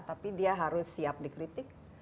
tapi dia harus siap dikritik